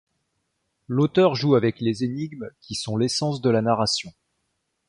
L’auteur joue avec les énigmes qui sont l’essence de la narration.